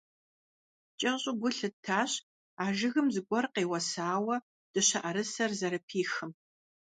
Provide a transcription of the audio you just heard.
КӀэщӀу гу лъыттащ а жыгым зыгуэр къеуэсауэ дыщэӀэрысэр зэрыпихым.